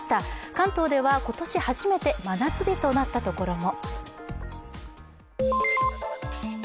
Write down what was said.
関東では今年初めて真夏日となったところも。